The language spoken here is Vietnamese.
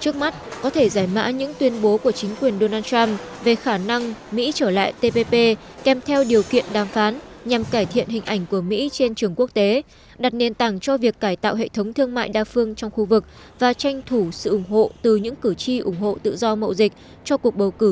trước mắt có thể giải mã những tuyên bố của chính quyền donald trump về khả năng mỹ trở lại tpp kèm theo điều kiện đàm phán nhằm cải thiện hình ảnh của mỹ trên trường quốc tế đặt nền tảng cho việc cải tạo hệ thống thương mại đa phương trong khu vực và tranh thủ sự ủng hộ từ những cử tri ủng hộ tự do mậu dịch cho cuộc bầu cử